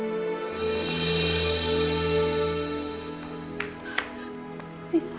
bella kamu dimana bella